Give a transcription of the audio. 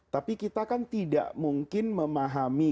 tapi kita kan tidak mungkin memahami